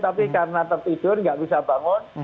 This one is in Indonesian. tapi karena tertidur nggak bisa bangun